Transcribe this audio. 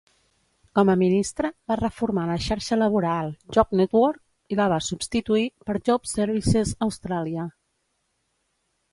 Com a ministre va reformar la xarxa laboral Job Network, i la va substituir per Job Services Australia.